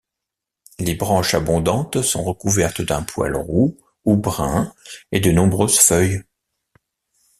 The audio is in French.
Les branches abondantes sont recouvertes d'un poil roux ou brun et de nombreuses feuilles.